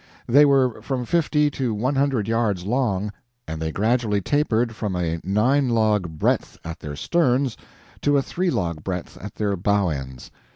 They were from fifty to one hundred yards long, and they gradually tapered from a nine log breadth at their sterns, to a three log breadth at their bow ends.